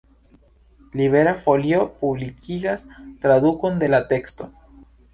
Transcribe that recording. Libera Folio publikigas tradukon de la teksto.